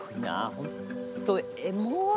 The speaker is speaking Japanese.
本当エモい。